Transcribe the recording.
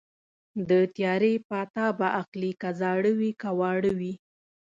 د تیارې پاتا به اخلي که زاړه وي که واړه وي